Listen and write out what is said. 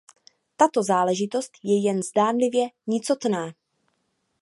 Tato záležitost je jen zdánlivě nicotná.